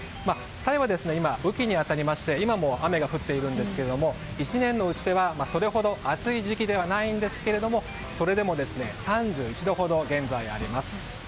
タイは今、雨期に当たりまして今も雨が降っているんですけども１年のうちではそれほど暑い時期ではないんですがそれでも３１度ほど現在あります。